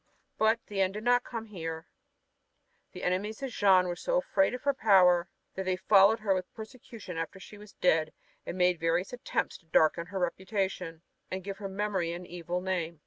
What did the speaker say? But the end did not come here. The enemies of Jeanne were so afraid of her power that they followed her with persecution after she was dead and made various attempts to darken her reputation, and give her memory an evil name.